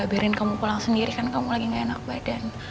biarin kamu pulang sendiri kan kamu lagi gak enak badan